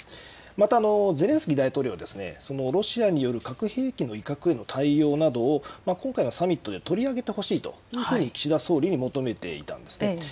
またゼレンスキー大統領はロシアによる核兵器の威嚇への対応などを今回のサミットで取り上げてほしいというふうに岸田総理に求めていたんです。